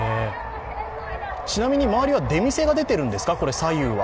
ちなみに周りは出店が出ているんですか、左右は。